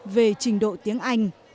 về trình độ tiếng anh